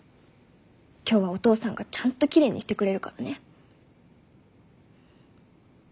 今日はお父さんがちゃんときれいにしてくれるからね。